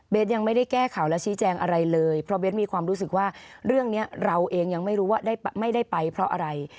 ยังไม่ได้แก้ข่าวและชี้แจงอะไรเลยเพราะเบ้นมีความรู้สึกว่าเรื่องนี้เราเองยังไม่รู้ว่าไม่ได้ไปเพราะอะไร